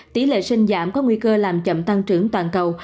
tỷ lệ sinh giảm có nguy cơ làm chậm tăng trưởng toàn cầu